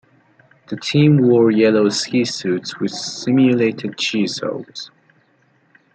The team wore yellow ski suits with simulated cheese holes.